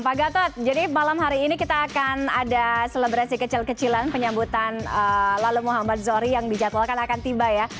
pak gatot jadi malam hari ini kita akan ada selebrasi kecil kecilan penyambutan lalu muhammad zohri yang dijadwalkan akan tiba ya